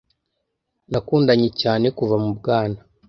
Nakundanye cyane kuva mu bwana.